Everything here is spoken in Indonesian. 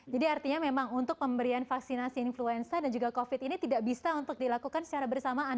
jadi artinya memang untuk pemberian vaksinasi influenza dan juga covid ini tidak bisa untuk dilakukan secara bersamaan